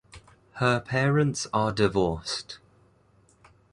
Her parents are divorced.